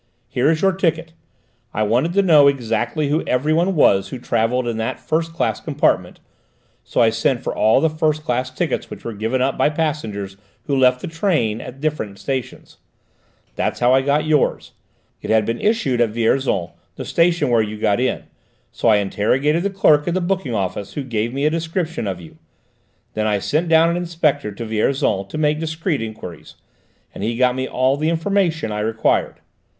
"Here is your ticket. I wanted to know exactly who everyone was who travelled in that first class compartment, so I sent for all the first class tickets which were given up by passengers who left the train at the different stations. That's how I got yours: it had been issued at Vierzon, the station where you got in, so I interrogated the clerk at the booking office who gave me a description of you; then I sent down an inspector to Vierzon to make discreet enquiries, and he got me all the information I required.